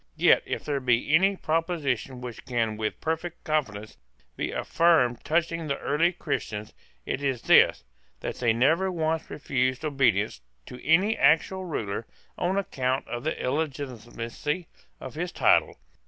Yet, if there be any proposition which can with perfect confidence be affirmed touching the early Christians, it is this, that they never once refused obedience to any actual ruler on account of the illegitimacy of his title.